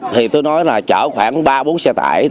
thì tôi nói là chở khoảng ba bốn xe tải